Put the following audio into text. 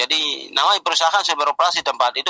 jadi namanya perusahaan sudah beroperasi tempat itu